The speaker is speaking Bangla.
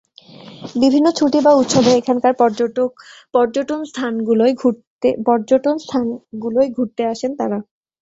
বিভিন্ন ছুটি বা উৎসবে এখানকার পর্যটন স্থানগুলোয় ঘুরতে আসেন তারা।